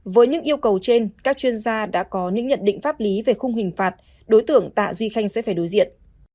với những yêu cầu trên các chuyên gia đã có những nhận định pháp lý về khung hình phạt đối tượng tạ duy khanh sẽ phải đối diện